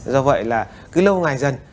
do vậy là cứ lâu ngày dần